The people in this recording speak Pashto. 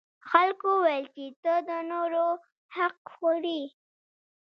خلکو وویل چې ته د نورو حق خوري.